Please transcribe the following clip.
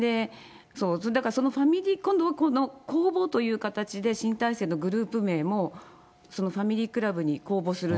だからその今度は公募という形で、新体制のグループ名も、そのファミリークラブに公募する。